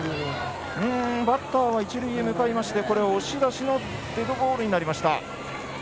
バッターは１塁へ向かいまして押し出しのデッドボールになりました。